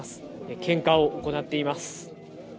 献花を行っています。